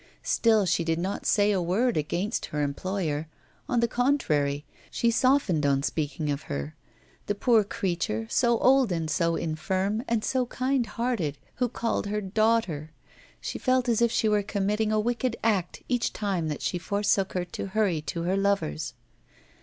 Still she did not say a word against her employer; on the contrary, she softened on speaking of her: the poor creature, so old and so infirm, and so kind hearted, who called her daughter! She felt as if she were committing a wicked act each time that she forsook her to hurry to her lover's.